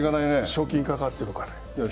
賞金かかってるからよ。